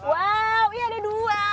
wow ini ada dua